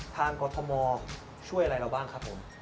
กรทมช่วยอะไรเราบ้างครับผม